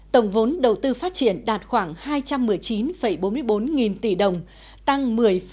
tổng vốn đầu tư phát triển đạt khoảng hai trăm một mươi chín bốn mươi bốn nghìn tỷ đồng tăng một mươi năm